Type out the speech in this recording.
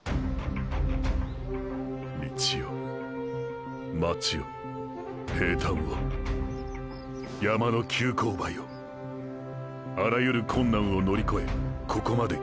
道を町を平坦を山の急勾配をあらゆる困難を乗りこえここまで来た。